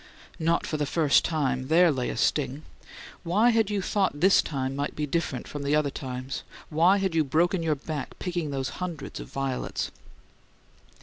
"Not for the first time": there lay a sting! Why had you thought this time might be different from the other times? Why had you broken your back picking those hundreds of violets?